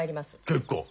結構。